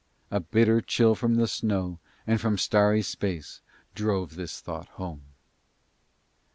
A bitter chill from the snow and from starry space drove this thought home.